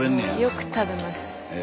よく食べます。